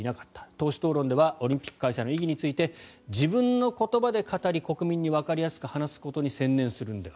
党首討論ではオリンピック開催の意義について自分の言葉で語り国民にわかりやすく話すことに専念するのでは。